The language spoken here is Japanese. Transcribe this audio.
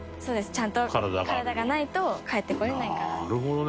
ちゃんと体がないと帰ってこれないから。富澤：なるほどね。